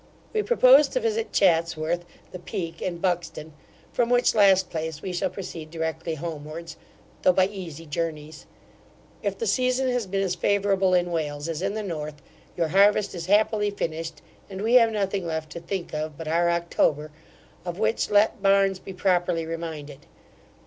We propose to visit Chatsworth, the Peak, and Buxton, from which last place we shall proceed directly homewards, though by easy journies. If the season has been as favourable in Wales as in the North, your harvest is happily finished; and we have nothing left to think of but our October, of which let Barns be properly reminded.